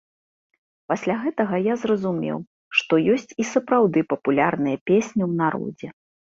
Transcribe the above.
Пасля гэтага я зразумеў, што ёсць і сапраўды папулярныя песні ў народзе.